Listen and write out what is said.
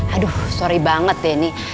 aduh sorry banget deh nih